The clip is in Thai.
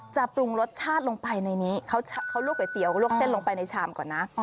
ปรุงรสชาติลงไปในนี้เขาลวกก๋วยเตี๋ยวลวกเส้นลงไปในชามก่อนนะ